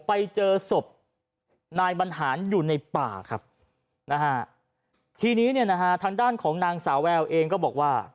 ไปเจอศพนายบรรหารอยู่ในป่าครับนะฮะทีนี้เนี่ยนะฮะทางด้านของนางสาวแววเองก็บอกว่า